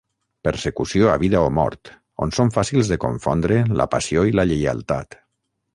Persecució a vida o mort, on són fàcils de confondre la passió i la lleialtat.